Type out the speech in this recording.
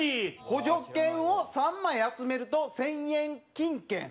補助券を３枚集めると１０００円金券。